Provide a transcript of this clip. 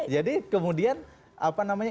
jadi kemudian apa namanya